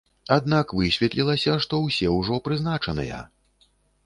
Аднак высветлілася, што ўсе ўжо прызначаныя!